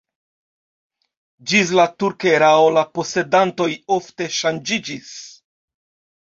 Ĝis la turka erao la posedantoj ofte ŝanĝiĝis.